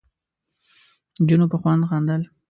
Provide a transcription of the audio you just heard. نجونو په خوند خندل.